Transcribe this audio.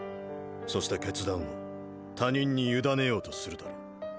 そして決断を他人に委ねようとするだろう。